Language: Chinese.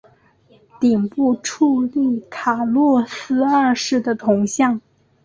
顶部矗立卡洛斯二世的铜像。